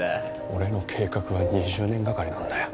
俺の計画は２０年がかりなんだよ。